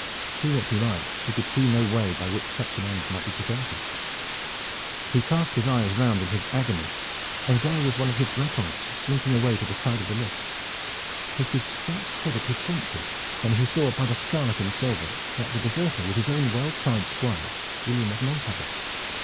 Do what he might, he could see no way by which such an end might be prevented. He cast his eyes round in his agony, and there was one of his Bretons slinking away to the side of the lists. He could scarce credit his senses when he saw by the scarlet and silver that the deserter was his own well tried squire, William of Montaubon.